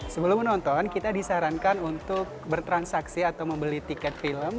sebelum menonton kita disarankan untuk bertransaksi atau membeli tiket film